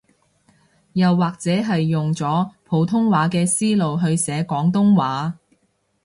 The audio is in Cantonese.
又或者係用咗普通話嘅思路去寫廣東話